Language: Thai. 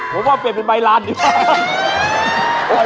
ผมว่าเปลี่ยนเป็นใบลานดีกว่า